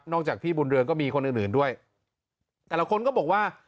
จากพี่บุญเรืองก็มีคนอื่นอื่นด้วยแต่ละคนก็บอกว่า